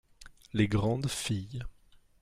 Les grandes filles.